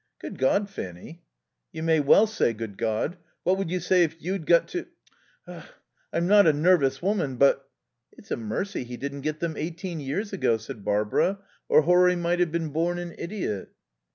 "Good God, Fanny!" "You may well say 'Good God.' What would you say if you'd got to...? I'm not a nervous woman, but " "It's a mercy he didn't get them eighteen years ago," said Barbara, "or Horry might have been born an idiot."